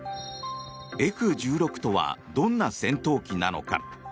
Ｆ１６とはどんな戦闘機なのか？